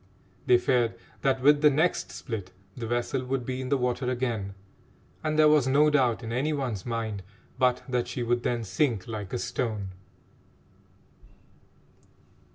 They feared that with the next split the vessel would be in the water again, and there was no doubt in any one's mind but that she would then sink like a stone.